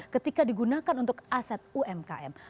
ketika digunakan untuk aset umkm